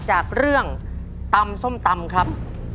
จากเรื่องตำส้มตำครับ